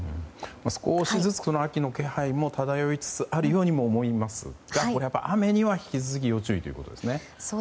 少しずつ、秋の気配も漂いつつあるようにも思いますが、雨には引き続き要注意ということですね。